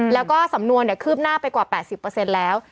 แล้วก็สำนวนเนี่ยคืบหน้าไปกว่าแปดสิบเปอร์เซ็นต์แล้ว